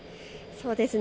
そうですね。